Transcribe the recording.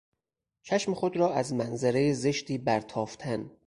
چشم خود را از منظره زشتی برتافتن